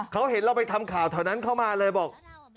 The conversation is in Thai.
เขาเห็นเราไปทำข่าวแถวนั้นเข้ามาเลยบอก